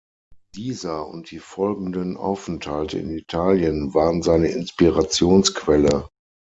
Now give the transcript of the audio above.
Dieser und die folgenden Aufenthalte in Italien waren seine Inspirationsquelle.